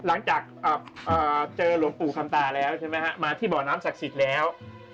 หลังจากเจอหลวงปู่คำตาแล้วใช่ไหมฮะมาที่บ่อน้ำศักดิ์สิทธิ์แล้ว